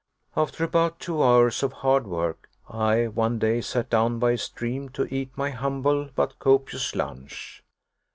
After about two hours of hard work, I, one day, sat down by a stream to eat my humble but copious lunch.